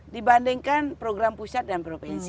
dibandingkan program pusat dan provinsi